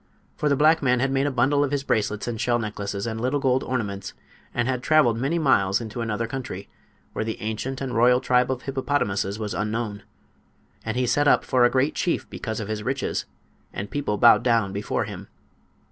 For the black man had made a bundle of his bracelets and shell necklaces and little gold ornaments and had traveled many miles into another country, where the ancient and royal tribe of hippopotamuses was unknown. And he set up for a great chief, because of his riches, and people bowed down before him.